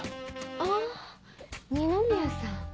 あぁ二宮さん。